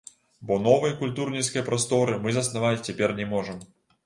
Бо новай культурніцкай прасторы мы заснаваць цяпер не можам.